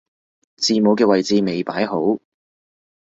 字母嘅位置未擺好